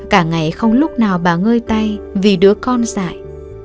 cả ngày không lúc nào bà ngơi tay vì đứa con dại